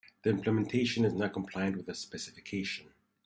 The implementation is not compliant with the specification.